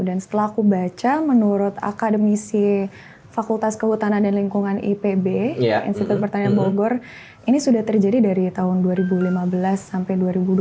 dan setelah aku baca menurut akademisi fakultas kehutanan dan lingkungan ipb institut pertanian bogor ini sudah terjadi dari tahun dua ribu lima belas sampai dua ribu dua puluh dua